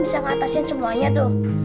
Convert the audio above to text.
bisa ngatasin semuanya tuh